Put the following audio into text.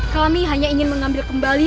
kami hanya ingin mengambil kembali